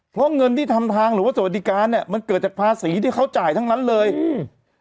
เพราะเงินที่ทำทางหรือว่าสวัสดิการเนี้ยมันเกิดจากภาษีที่เขาจ่ายทั้งนั้นเลยอืม